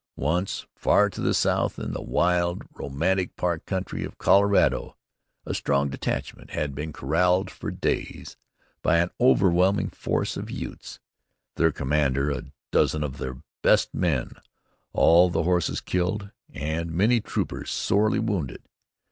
Once, far to the south in the wild, romantic park country of Colorado, a strong detachment had been corralled for days by an overwhelming force of Utes. Their commander, a dozen of their best men, all the horses killed and many troopers sorely wounded.